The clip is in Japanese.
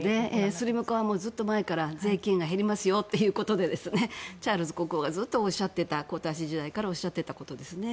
スリム化は、ずっと前から税金が減りますよということでチャールズ国王がずっと皇太子時代からおっしゃってたことですね。